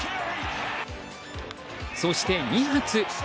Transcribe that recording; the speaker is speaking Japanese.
そして、２発。